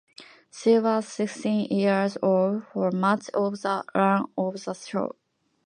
She was sixteen years old for much of the run of the show.